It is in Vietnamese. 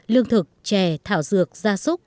lương thực chè thảo dược da súc